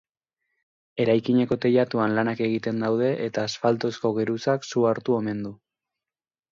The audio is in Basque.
Eraikineko teilatuan lanak egiten daude eta asfaltozko geruzak su hartu omen du.